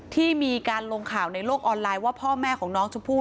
ที่มีการลงข่าวในโลกออนไลน์ว่าพ่อแม่ของน้องชมพู่